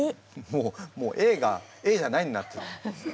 もうもうＡがＡじゃないになってる。